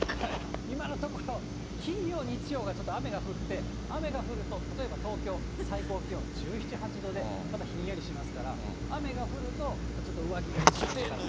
今のところ、金曜、日曜がちょっと雨が降って、雨が降ると、例えば東京、最高気温１７、８度でまたひんやりしますから、雨が降ると、ちょっと上着が必要かなと。